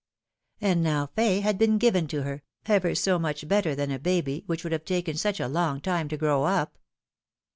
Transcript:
And now Fay had been given to her, ever so much better than a baby, which would have taken such a long time to grow up.